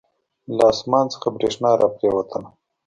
له اسمان نه بریښنا را پریوتله.